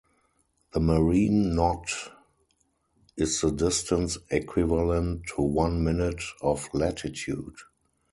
The marine knot is the distance equivalent to one minute of latitude.